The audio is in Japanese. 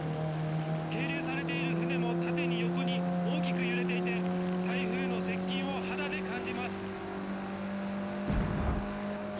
係留されている船も縦に横に大きく揺れていて台風の接近を肌で感じます。